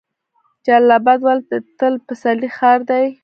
جلال اباد ولې د تل پسرلي ښار دی؟